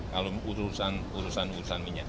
kalau urusan urusan minyak